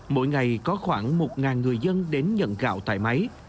mỗi ngày có khoảng một người dân đến nhận gạo tại máy